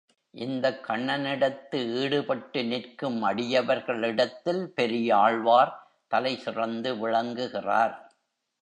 இந்தக் கண்ணனிடத்து ஈடுபட்டு நிற்கும் அடியவர்களிடத்தில் பெரியாழ்வார் தலைசிறந்து விளங்குகிறார்.